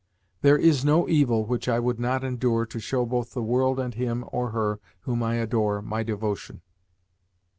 "There is no evil which I would not endure to show both the world and him or her whom I adore my devotion."